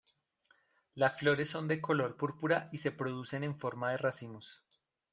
Las flores son de color púrpura y se producen en forma de racimos.